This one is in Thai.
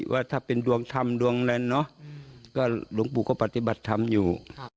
ว่าถ้าเป็นดวงธรรมดวงอะไรเนอะลงปูก็ปฏิบัติธรรมอยู่